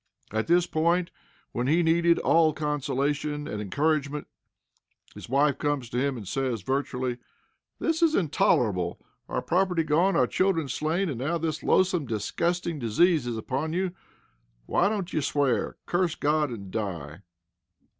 At this point, when he needed all consolation and encouragement, his wife comes to him, and says, virtually: "This is intolerable! Our property gone, our children slain, and now this loathsome, disgusting disease is upon you. Why don't you swear? Curse God and die!"